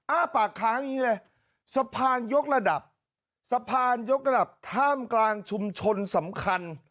อ้าปากค้างอย่างนี้เลยสะพานยกระดับสะพานยกระดับท่ามกลางชุมชนสำคัญ